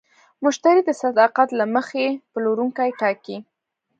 مشتری د صداقت له مخې پلورونکی ټاکي.